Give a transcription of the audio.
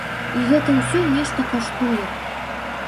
І гэта ўсё нешта каштуе.